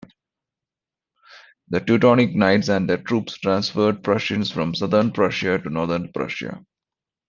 The Teutonic Knights and their troops transferred Prussians from southern Prussia to northern Prussia.